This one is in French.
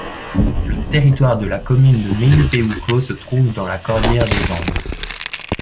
Le territoire de la commune de Melipeuco se trouve dans la Cordillière des Andes.